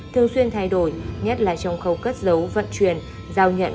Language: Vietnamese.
thường xuyên thay đổi nhất là trong khâu cất giấu vận chuyển giao nhận